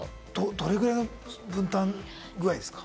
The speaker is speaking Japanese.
どれぐらいの分担具合ですか？